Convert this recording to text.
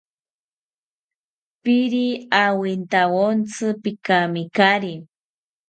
Piiri awintawontzi, pikamikari